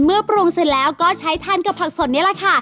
เมื่อปรุงเสร็จแล้วก็ใช้ทามกับผักสดนี้ละค่ะ